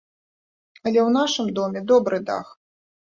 Але ў нашым доме добры дах.